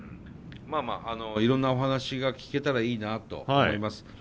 まあまあいろんなお話が聞けたらいいなと思います。